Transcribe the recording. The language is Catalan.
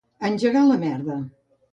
Engegar a la merda.